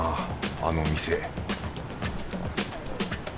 あの店